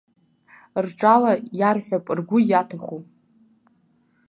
Рҿала иарҳәап ргәы иаҭаху.